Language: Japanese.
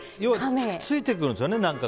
ついてくるんですよね